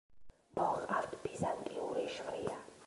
მოჰყავთ ბიზანტიური შვრია.